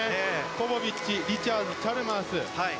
ポポビッチ、リチャーズチャルマース。